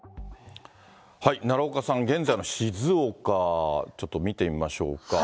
奈良岡さん、現在の静岡、ちょっと見てみましょうか。